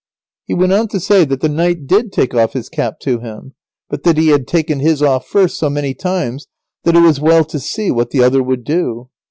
He went on to say that the knight did take off his cap to him; but that he had taken his off first so many times, that it was well to see what the other would do.